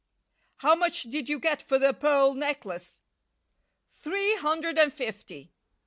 "How much did you get for the pearl necklace?" "Three hundred and fifty."